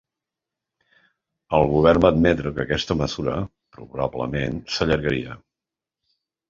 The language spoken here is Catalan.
El govern va admetre que aquesta mesura, probablement, s’allargaria.